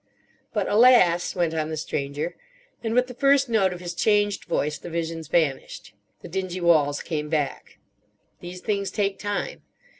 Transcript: "But, alas," went on the Stranger—and with the first note of his changed voice the visions vanished, the dingy walls came back—"these things take time.